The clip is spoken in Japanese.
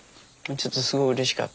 ちょっとすごいうれしかった。